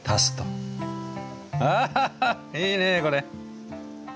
あいいねこれ。